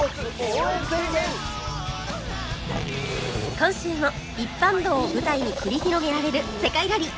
今週も一般道を舞台に繰り広げられる世界ラリー！